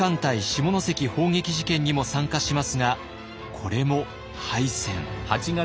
下関砲撃事件にも参加しますがこれも敗戦。